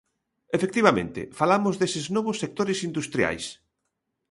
Efectivamente, falamos deses novos sectores industriais.